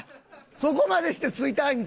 そこまでして吸いたいんか？